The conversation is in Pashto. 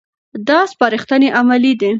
دا سپارښتنې عملي دي.